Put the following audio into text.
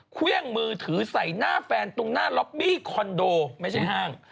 เครื่องมือถือใส่หน้าแฟนตรงหน้าล็อบบี้คอนโดไม่ใช่ห้าง